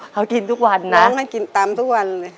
เขากินทุกวันนะน้องไม่กินตำทุกวันเลย